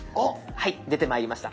はい出てまいりました。